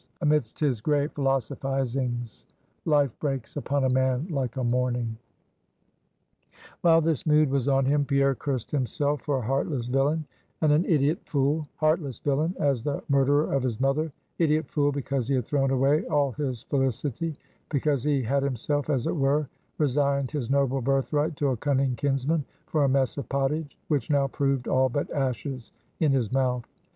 Amidst his gray philosophizings, Life breaks upon a man like a morning. While this mood was on him, Pierre cursed himself for a heartless villain and an idiot fool; heartless villain, as the murderer of his mother idiot fool, because he had thrown away all his felicity; because he had himself, as it were, resigned his noble birthright to a cunning kinsman for a mess of pottage, which now proved all but ashes in his mouth.